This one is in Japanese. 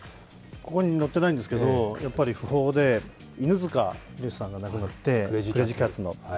ここに載ってないんですけど、訃報で、犬塚弘さんが亡くなって、クレイジー・キャッツの。